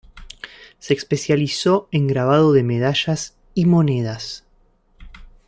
Se especializó en grabado de medallas y monedas.